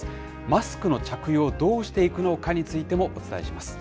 マスクの着用をどうしていくのかについても、お伝えします。